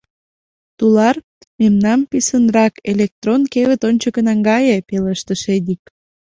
— Тулар, мемнам писынрак «Электрон» кевыт ончыко наҥгае, — пелештыш Эдик.